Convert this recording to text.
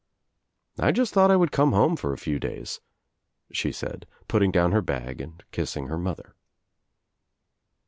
"I just thought I would come home for a few days," 'she said, putting down her bag and kissing her mother.